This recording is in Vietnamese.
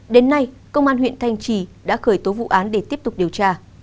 đến nay công an huyện thanh trì đã khởi tố vụ án để tiếp tục điều tra